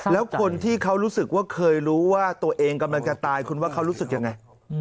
แล้วคนที่เขารู้สึกว่าเคยรู้ว่าตัวเองกำลังจะตายคุณว่าเขารู้สึกยังไง